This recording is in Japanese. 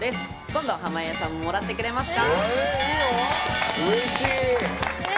今度、濱家さんももらってくれますか？